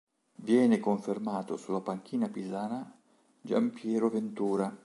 Viene confermato sulla panchina pisana Gian Piero Ventura.